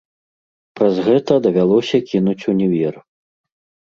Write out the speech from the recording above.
Праз гэта давялося кінуць універ!